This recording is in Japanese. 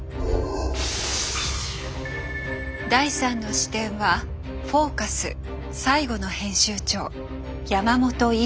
第３の視点は「フォーカス」最後の編集長山本伊吾。